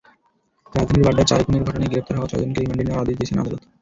রাজধানীর বাড্ডায় চার খুনের ঘটনায় গ্রেপ্তার হওয়া ছয়জনকে রিমান্ডে নেওয়ার আদেশ দিয়েছেন আদালত।